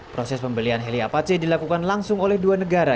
proses pembelian heli apache dilakukan langsung oleh dua negara